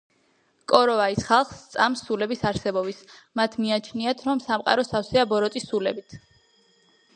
კოროვაის ხალხს სწამს სულების არსებობის, მათ მიაჩნიათ რომ სამყარო სავსეა ბოროტი სულებით.